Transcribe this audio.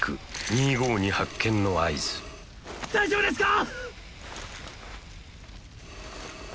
２５２発見の合図大丈夫ですか！